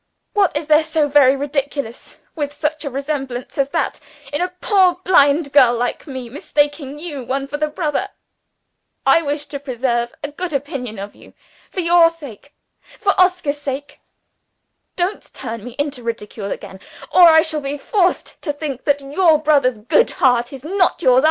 What is there so very ridiculous with such a resemblance as that in a poor blind girl like me mistaking you one for the other? I wish to preserve a good opinion of you, for Oscar's sake. Don't turn me into ridicule again or I shall be forced to think that your brother's good heart is not yours also!"